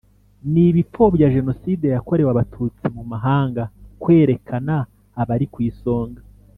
n ibipfobya Jenoside yakorewe Abatutsi mu mahanga kwerekana abari kw isonga